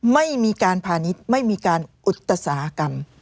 ไม่มีการพาณิชย์ไม่มีการอุตสาหกรรม